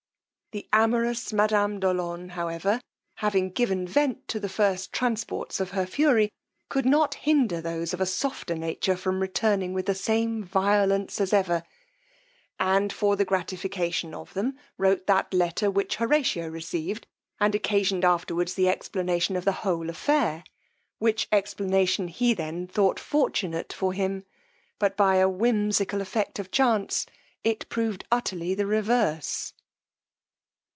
The amorous madame de Olonne, however, having given vent to the first transports of her fury, could not hinder those of a softer nature from returning with the same violence as ever; and for the gratification of them wrote that letter which Horatio received, and occasioned afterward the explanation of the whole affair, which explanation he then thought fortunate for him; but by a whimsical effect of chance it proved utterly the reverse.